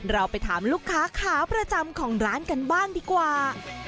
เราไปถามลูกค้าขาประจำของร้านกันบ้างดีกว่า